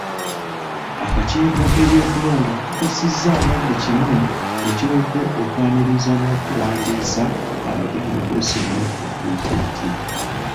Akakiiko k'ebyokulonda kakakasizza nga buli kimu bwe kiwedde okwaniriza n'okuwandiisa abagenda okwesimbawo ku bwapulezidenti